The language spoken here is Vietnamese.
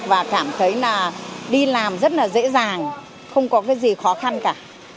và cảm thấy là đi làm rất là dễ dàng không có cái gì khó khăn cả